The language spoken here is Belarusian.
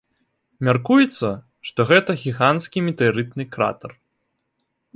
Мяркуецца, што гэта гіганцкі метэарытны кратар.